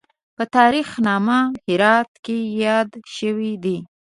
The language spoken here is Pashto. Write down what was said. په تاریخ نامه هرات کې یاد شوی دی.